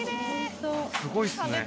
すごいですね。